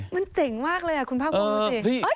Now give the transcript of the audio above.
มันเจ๋งมากเลยอ่ะคุณภาพคุณพูดดูสิ